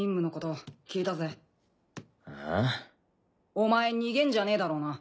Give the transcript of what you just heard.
お前逃げんじゃねえだろうな。